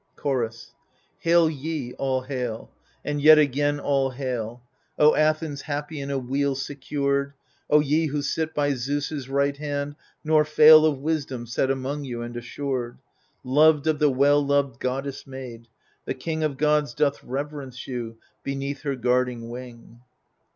Chorus Hail ye, all hail 1 and yet again, all hail, O Athens, happy in a weal secured ! O ye who sit by Zeus' right hand, nor fail Of wisdom set among you and assured, Loved of the well loved Goddess Maid 1 the King Of gods doth reverence you, beneath her guarding wing.